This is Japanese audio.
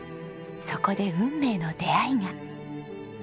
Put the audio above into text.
そこで運命の出会いが。